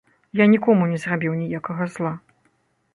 Я нікому не зрабіў ніякага зла.